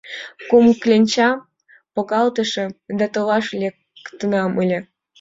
Кум кленчам погалтышым да толаш лектынам ыле...